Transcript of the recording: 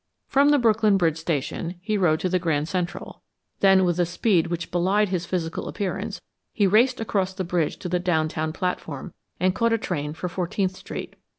From the Brooklyn Bridge station he rode to the Grand Central; then with a speed which belied his physical appearance, he raced across the bridge to the downtown platform, and caught a train for Fourteenth Street.